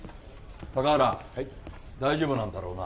高原はい大丈夫なんだろうな？